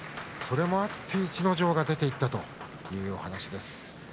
それもあって逸ノ城が出ていったというお話です。